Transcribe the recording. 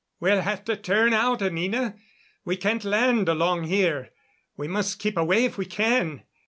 "We'll have to turn out, Anina. We can't land along here. We must keep away if we can."